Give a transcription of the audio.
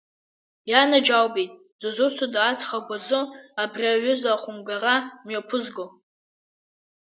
Ианаџьалбеит, дызусҭада аҵх агәазы абри аҩыза ахәымгара мҩаԥызго?